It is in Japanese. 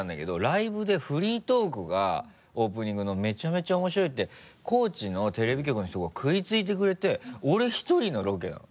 ライブでフリートークがオープニングのめちゃめちゃ面白いって高知のテレビ局の人が食いついてくれて俺１人のロケなの。